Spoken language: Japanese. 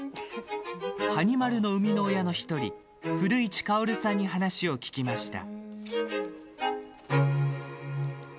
はに丸の生みの親の一人古市馨さんに話を聞きました。